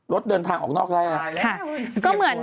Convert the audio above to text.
รถเดินทางออกนอกไล่